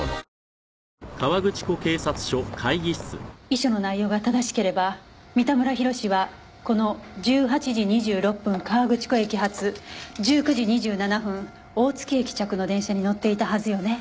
遺書の内容が正しければ三田村弘はこの１８時２６分河口湖駅発１９時２７分大月駅着の電車に乗っていたはずよね？